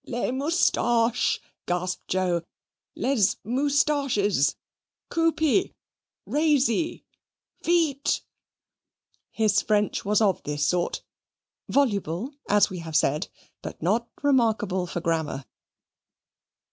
"Les moustaches," gasped Joe; "les moustaches coupy, rasy, vite!" his French was of this sort voluble, as we have said, but not remarkable for grammar.